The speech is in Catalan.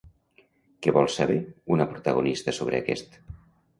Què vol saber una protagonista sobre aquest?